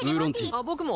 あっ僕も。